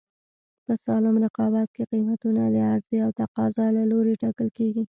په سالم رقابت کې قیمتونه د عرضې او تقاضا له لورې ټاکل کېږي.